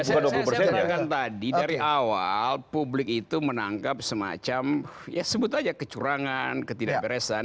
jangan tadi dari awal publik itu menangkap semacam ya sebut aja kecurangan ketidakberesan